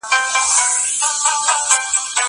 زه اوږده وخت تمرين کوم!